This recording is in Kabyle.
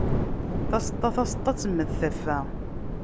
Taseṭṭa, taseṭṭa, ad temmed taffa.